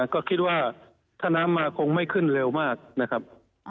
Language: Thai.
ก็คิดว่าถ้าน้ำมาคงไม่ขึ้นเร็วมากนะครับ